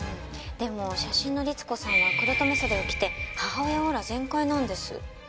でも写真の律子さんは黒留め袖を着て母親オーラ全開なんです。